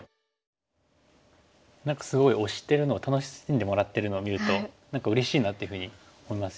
何かすごい推してるのを楽しんでもらってるのを見るとうれしいなっていうふうに思いますし。